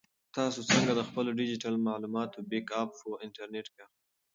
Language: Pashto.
تاسو څنګه د خپلو ډیجیټل معلوماتو بیک اپ په انټرنیټ کې اخلئ؟